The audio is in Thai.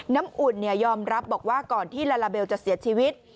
น้ำอุ่นยอมรับบอกว่าก่อนที่ลาลาเบลจะเสียชีวิต